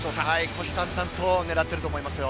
虎視たんたんと狙っていると思いますよ。